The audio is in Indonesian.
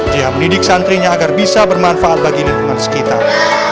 jeha mendidik santrinya agar bisa bermanfaat bagi negara sekitar